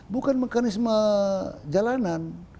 bukan mekanisme jalanan